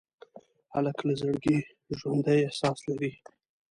هلک له زړګي ژوندي احساس لري.